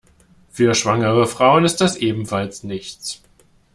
Für schwangere Frauen ist das ebenfalls nichts.